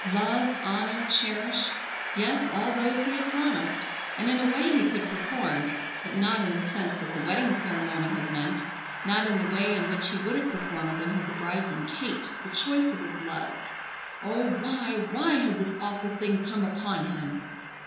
"Love, honor, cherish," yes, all those he had promised, and in a way he could perform, but not in the sense that the wedding ceremony had meant, not in the way in which he would have performed them had the bride been Kate, the choice of his love. Oh, why, why had this awful thing come upon him!